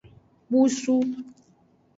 Busu.